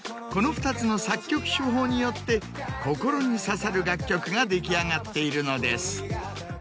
この２つの作曲手法によって心に刺さる楽曲が出来上がっているのです。